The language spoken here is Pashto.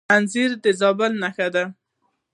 انځر د زابل نښه ده.